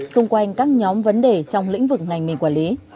xung quanh các nhóm vấn đề trong lĩnh vực ngành mình quản lý